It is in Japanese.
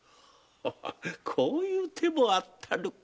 こういう手もあったのか。